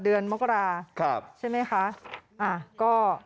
เดือนมากราศาสตร์ใช่ไหมคะอ่ะก็